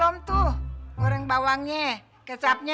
tidak ada satupun yang datang kecuali pak ustadz jakaria